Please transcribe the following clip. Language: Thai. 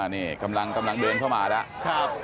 นี่กำลังเดินเข้ามาแล้ว